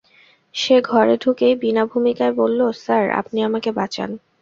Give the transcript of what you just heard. সে ঘরে ঢুকেই বিনা ভূমিকায় বলল, স্যার, আপনি আমাকে বাঁচান।